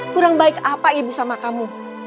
kurang baik apa ibu sama kamu